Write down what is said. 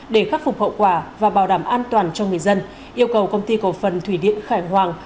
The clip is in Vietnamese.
để khắc phục hậu quả và bảo đảm an toàn cho người dân yêu cầu công ty cổ phần thủy điện khải hoàng